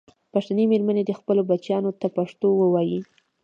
پښتنې مېرمنې دې خپلو بچیانو ته پښتو ویې ویي.